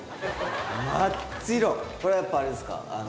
これはやっぱあれですか？